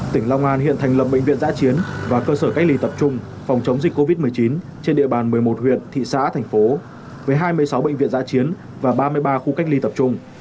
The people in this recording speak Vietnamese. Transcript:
tỉnh long an hiện thành lập bệnh viện giã chiến và cơ sở cách ly tập trung phòng chống dịch covid một mươi chín trên địa bàn một mươi một huyện thị xã thành phố với hai mươi sáu bệnh viện giã chiến và ba mươi ba khu cách ly tập trung